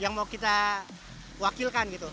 yang mau kita wakilkan gitu